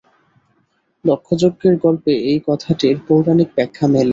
দক্ষযজ্ঞের গল্পে এই কথাটির পৌরাণিক ব্যাখ্যা মেলে।